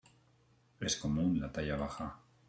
Es común la talla baja.